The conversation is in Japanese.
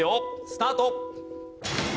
スタート！